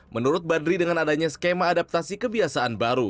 menurut badri dengan adanya skema adaptasi kebiasaan baru